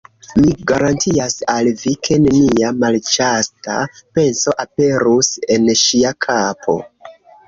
Mi garantias al vi, ke nenia malĉasta penso aperus en ŝia kapo...